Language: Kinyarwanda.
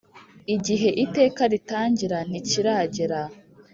igihe Iteka ritangira ntikiragra.